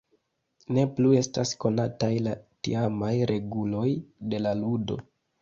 Ne plu estas konataj la tiamaj reguloj de la ludo.